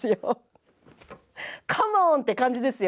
カモーンって感じですよ